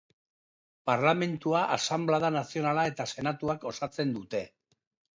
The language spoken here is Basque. Parlamentua Asanblada Nazionala eta Senatuak osatzen dute.